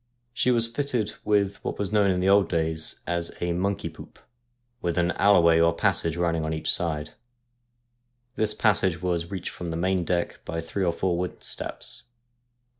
She was fitted with what was known in the old days as a ' monkey poop,' with an alloway or passage running on each side This passage was reached from the main deck by three or four wooden steps.